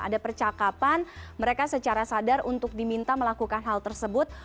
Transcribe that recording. ada percakapan mereka secara sadar untuk diminta melakukan hal tersebut